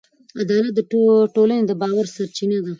عدالت د ټولنې د باور سرچینه ده.